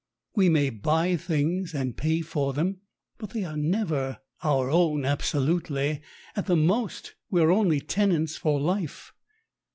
We may buy things and pay for them, but they are never our own absolutely; at the most, we are only tenants for life.